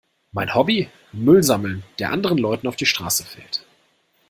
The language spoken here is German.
Mein Hobby? Müll sammeln, der anderen Leuten auf die Straße fällt.